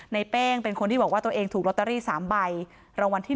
เป้งเป็นคนที่บอกว่าตัวเองถูกลอตเตอรี่๓ใบรางวัลที่๑